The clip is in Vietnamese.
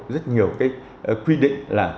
rất nhiều cái quy định là